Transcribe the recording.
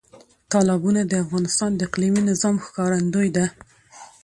تالابونه د افغانستان د اقلیمي نظام ښکارندوی ده.